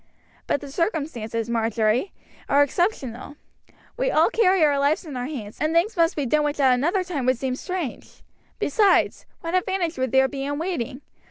"But the circumstances, Marjory, are exceptional. We all carry our lives in our hands, and things must be done which at another time would seem strange. Besides, what advantage would there be in waiting?